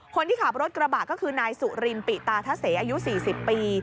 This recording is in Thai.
คนที่ขับรถกระบะก็คือนายสุรินปิตาทะเสอายุ๔๐ปี